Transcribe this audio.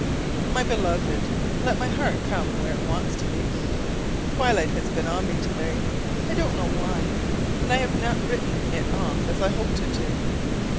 My Beloved, let my heart come where it wants to be. Twilight has been on me to day, I don't know why; and I have not written it off as I hoped to do.